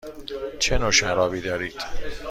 چه نوع شرابی دارید؟